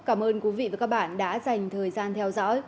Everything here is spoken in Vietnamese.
cảm ơn quý vị và các bạn đã dành thời gian theo dõi